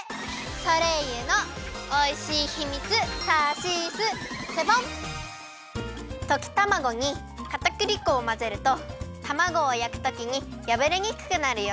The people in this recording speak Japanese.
ソレイユのおいしいヒミツときたまごにかたくり粉をまぜるとたまごをやくときにやぶれにくくなるよ。